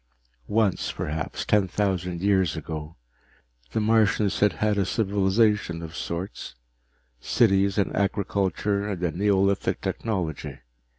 Once, perhaps ten thousand years ago, the Martians had had a civilization of sorts, cities and agriculture and a neolithic technology.